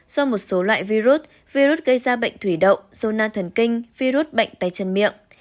do một số loại virus virus gây ra bệnh thủy động zona thần kinh virus bệnh tay chân miệng